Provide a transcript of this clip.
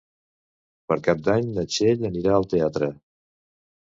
Per Cap d'Any na Txell anirà al teatre.